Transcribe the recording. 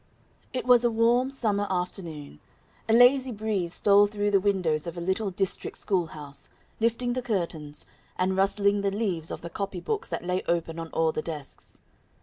It was a warm summer afternoon; a lazy breeze stole through the windows of a little district schoolhouse, lifting the curtains, and rustling the leaves of the copy books that lay open on all the desks.